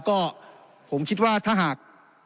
ก็ผมคิดว่าถ้าหาก